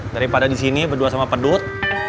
daripada disini berdua sama pedut